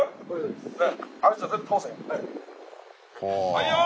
はいよ！